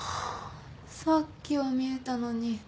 さっきは見えたのに。